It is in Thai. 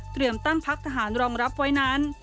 ตั้งพักทหารรองรับไว้นั้น